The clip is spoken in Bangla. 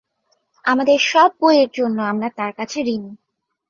আমাদের সব বই-এর জন্য আমরা তার কাছে ঋণী।